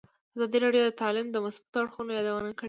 ازادي راډیو د تعلیم د مثبتو اړخونو یادونه کړې.